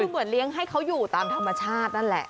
คือเหมือนเลี้ยงให้เขาอยู่ตามธรรมชาตินั่นแหละ